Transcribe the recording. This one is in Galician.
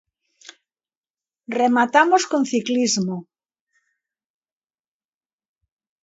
Rematamos con ciclismo.